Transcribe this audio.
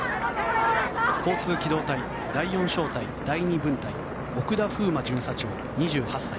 交通機動隊第４小隊第２分隊奥田楓磨巡査長、２８歳。